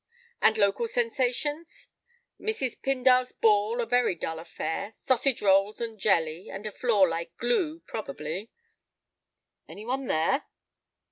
"And local sensations?" "Mrs. Pindar's ball, a very dull affair, sausage rolls and jelly, and a floor like glue—probably." "Any one there?"